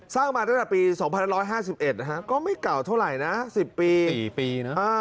สร้างมาตั้งแต่ปี๒๕๕๑นะฮะก็ไม่เก่าเท่าไหร่นะ๑๐ปี๔ปีนะ